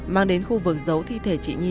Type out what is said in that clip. mang đến khu vực giấu thi thể chị n